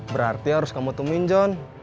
berarti harus kamu temuin john